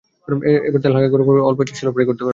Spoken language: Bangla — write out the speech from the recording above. এবার তেল হালকা গরম করে অল্প আঁচে শ্যালো ফ্রাই করতে হবে।